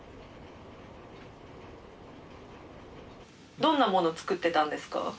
どんな物作ってたんですか？